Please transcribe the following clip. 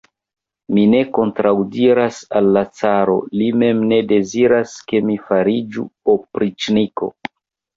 Mi ne kontraŭdiras al la caro, li mem ne deziras, ke mi fariĝu opriĉniko.